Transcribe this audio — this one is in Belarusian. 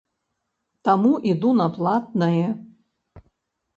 Таму іду на платнае.